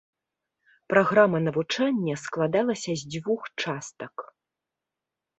Праграма навучання складалася з дзвюх частак.